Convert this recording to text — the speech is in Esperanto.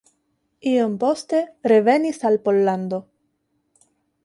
Iom poste revenis al Pollando.